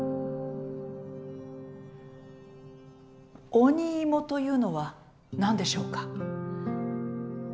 鬼芋というのは何でしょうか？